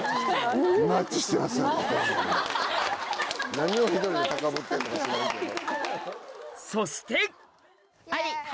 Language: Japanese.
何を一人で高ぶってんのか知らんけど。